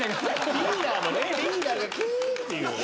リーダーが「くぅ」っていう。